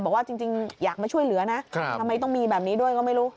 บอกว่าจริงอยากมาช่วยเหลือนะทำไมต้องมีแบบนี้ด้วยก็ไม่รู้